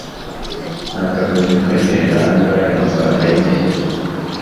Nakagombye kwemerera angahe amafaranga yingendo?